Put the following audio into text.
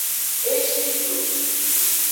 Eshidu.